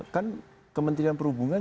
kan kementerian perhubungan